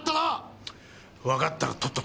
わかったらとっとと帰れ。